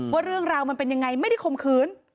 ว่าเรื่องราวมันเป็นยังไงไม่ได้ข่มขืน